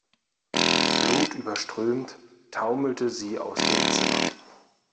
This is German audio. Blutüberströmt taumelte sie aus dem Zimmer.